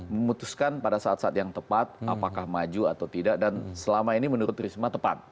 memutuskan pada saat saat yang tepat apakah maju atau tidak dan selama ini menurut risma tepat